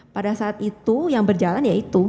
pada saat itu yang berjalan ya itu